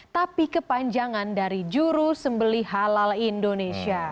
tapi kepanjangan dari juru sembeli halal indonesia